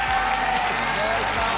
お願いします。